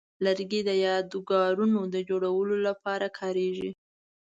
لرګی د یادګارونو د جوړولو لپاره کاریږي.